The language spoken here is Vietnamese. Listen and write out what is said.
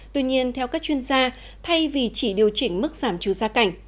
tuy nhiên theo các chuyên gia thay vì chỉ điều chỉnh mức giảm trừ gia cảnh